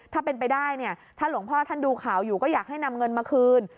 ถ้าเป็นไปได้เนี่ยถ้าหลวงพ่อท่านดูข่าวอยู่ก็อยากให้นำเงินมาคืน